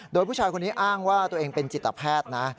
โดยผู้ชายคนนี้อ้างว่าตัวเองเป็นจิตแพทย์นะ